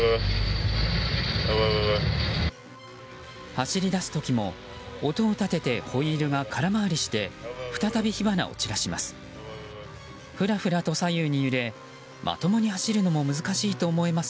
走り出す時も音を立ててホイールが空回りして再び火花を散らします。